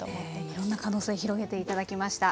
いろんな可能性広げて頂きました。